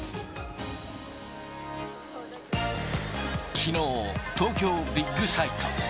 きのう、東京ビッグサイト。